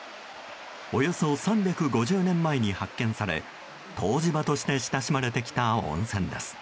およそ３５０年前に発見され湯治場として親しまれてきた温泉です。